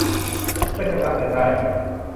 เพื่อชำระเงินได้